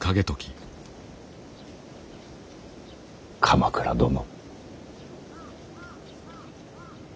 鎌倉殿。